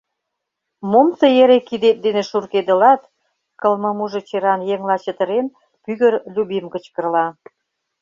— Мом тый эре кидет дене шуркедылат? — кылмымужо черан еҥла чытырен, пӱгыр Любим кычкырла.